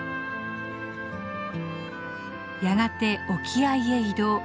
やがて沖合へ移動。